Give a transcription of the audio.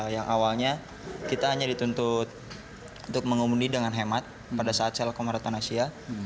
yang awalnya kita hanya dituntut untuk mengundi dengan hemat pada saat shell eco marathon asia